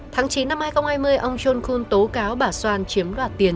tháng chín năm hai nghìn hai mươi ông john kuhn tố cáo bà soan chiếm đoạt tiền